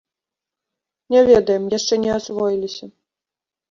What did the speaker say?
Не ведаем, яшчэ не асвоіліся.